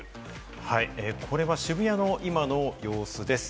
これは渋谷の今の様子です。